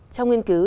trong nghiên cứu